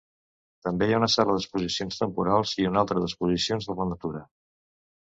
També hi ha una sala d'exposicions temporals i una altra d'exposicions de la natura.